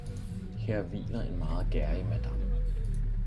Her hviler en meget gerrig madam.